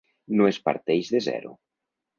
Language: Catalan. No es parteix de zero.